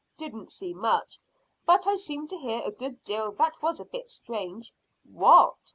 "Didn't see much, but I seemed to hear a good deal that was a bit strange." "What?"